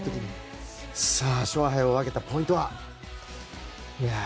さあ勝敗を分けたポイントは。